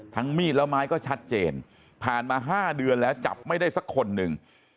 มีดและไม้ก็ชัดเจนผ่านมา๕เดือนแล้วจับไม่ได้สักคนหนึ่ง